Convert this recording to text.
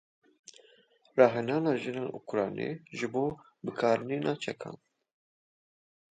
Rahênana jinên Ukraynî ji bo bikaranîna çekan.